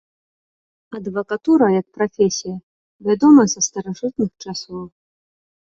Адвакатура як прафесія вядомая са старажытных часоў.